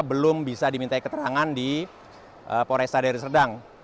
belum bisa dimintai keterangan di polresta dari serdang